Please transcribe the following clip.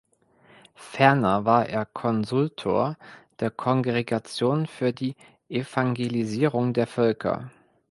Ferner war er Konsultor der Kongregation für die Evangelisierung der Völker.